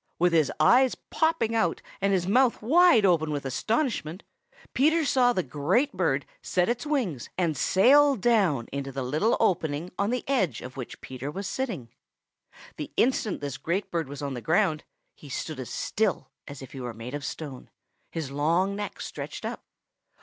With his eyes popping out and his mouth wide open with astonishment, Peter saw the great bird set its wings and sail down into the little opening on the edge of which Peter was sitting. The instant this great bird was on the ground, he stood as still as if he were made of stone, his long neck stretched up.